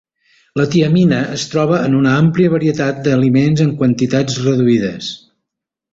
La tiamina es troba en una àmplia varietat d’aliments en quantitats reduïdes.